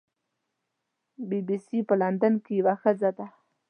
بی بي سي په لندن کې یوه ښځه ده.